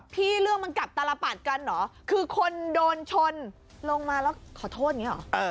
เรื่องมันกลับตลปัดกันเหรอคือคนโดนชนลงมาแล้วขอโทษอย่างนี้หรอ